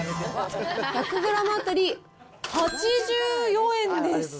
１００グラム当たり８４円です！